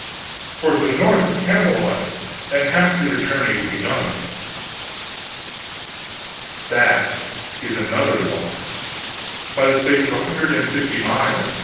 "Far to the north of Camelot, and half their journey will be done." "That is another lie, by the space of a hundred and fifty miles.